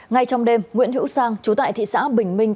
ngay trong đêm nguyễn hữu sang chú tại thị xã bình minh